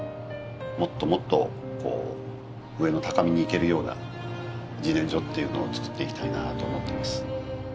もっともっと上の高みに行けるような自然薯っていうのを作っていきたいなと思っています。